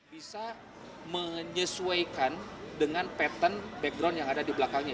bisa menyesuaikan dengan pattern background yang ada di belakangnya